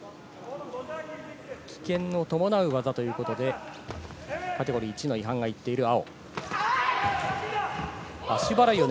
危険の伴う技ということでカテゴリー１の違反が行っている青。